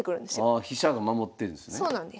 ああ飛車が守ってるんですね。